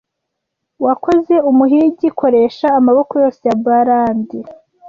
wakoze. Umuhigi, koresha amaboko yose ya brandi. ”